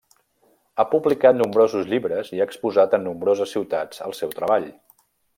Ha publicat nombrosos llibres i ha exposat en nombroses ciutats el seu treball.